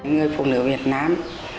người phụ nữ việt nam